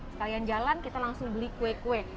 sekalian jalan kita langsung beli kue kue